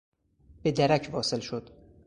به درک واصل شد.